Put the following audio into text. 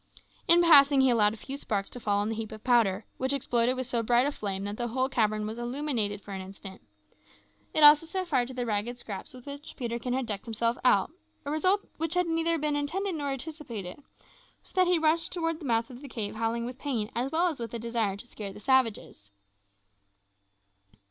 In passing he allowed a few sparks to fall on the heap of powder, which exploded with so bright a flame that the whole cavern was illuminated for an instant. It also set fire to the ragged scraps with which Peterkin had decked himself out a result which had neither been intended nor anticipated so that he rushed towards the mouth of the cave howling with pain as well as with a desire to scare the savages.